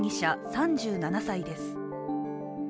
３７歳です。